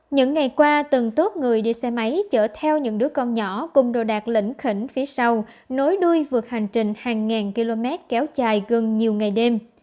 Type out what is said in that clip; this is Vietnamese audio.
những ngày qua từng tốt người đi xe máy chở theo những đứa con nhỏ cùng đồ đạc lĩnh khỉnh phía sau nối đuôi vượt hành trình hàng ngàn km kéo dài gần nhiều ngày đêm